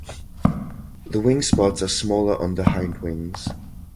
The wing spots are smaller on the hindwings.